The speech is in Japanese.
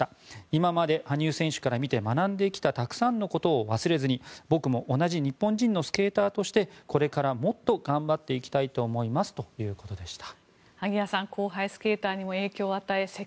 今まで羽生選手から学んできた学んできたたくさんのことを忘れずに僕も同じ日本人のスケーターとしてこれからもっと頑張っていきたいと思いますということでした。